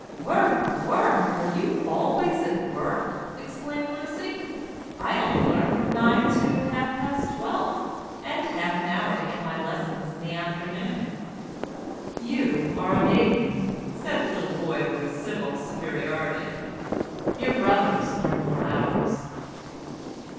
"Work! work! Are you always at work?" exclaimed Lucy; "I only learn from nine to half past twelve, and half an hour to get my lessons in the afternoon." "You are a maiden," said the little boy with civil superiority; "your brothers learn more hours."